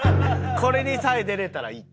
これにさえ出れたらいいって。